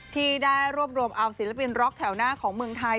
ที่ได้รวบรวมเอาศิลปินร็อกแถวหน้าของเมืองไทย